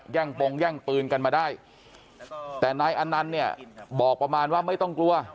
ปงแย่งปืนกันมาได้แต่นายอนันต์เนี่ยบอกประมาณว่าไม่ต้องกลัว